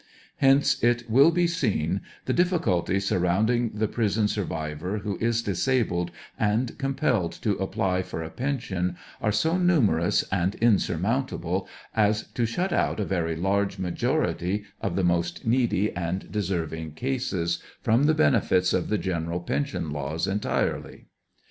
Hence, it will be seen the difficulties surrounding the prison sur vivor who is disabled and compelled to apply for a pension are so numerous and insurmountable as to shut out a very large majority of the most needy and deserving cases from the benefits of the gen eral pension laws entirely.